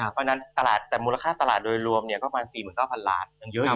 เพราะฉะนั้นมูลค่าตลาดโดยรวมก็ประมาณ๔๙๐๐๐ลาท